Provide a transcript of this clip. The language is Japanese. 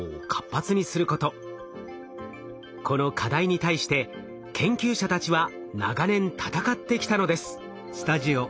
この課題に対して研究者たちは長年闘ってきたのです。